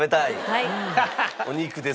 はい。